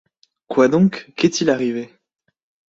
Quoi donc? qu’est-il arrivé ?